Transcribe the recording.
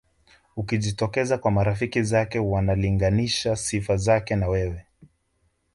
Ukijitokeza kwa marafiki zake wanalinganisha sifa zake na wewe